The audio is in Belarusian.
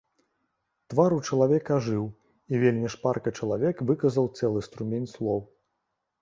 Твар у чалавека ажыў, і вельмі шпарка чалавек выказаў цэлы струмень слоў.